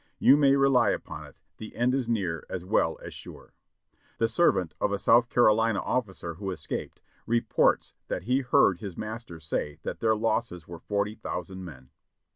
"You may rely upon it, the end is near as well as sure." "The servant of a South Carolina officer who escaped, reports that he heard his master say that their losses were forty thousand men."